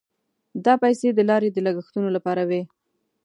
دا پیسې د لارې د لګښتونو لپاره وې.